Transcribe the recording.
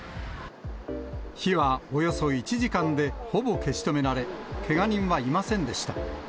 火はおよそ１時間で、ほぼ消し止められ、けが人はいませんでした。